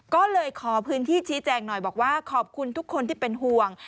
ก็เลยขอพื้นที่ชี้แจงหน่อยบอกว่าขอบคุณทุกคนที่เป็นห่วง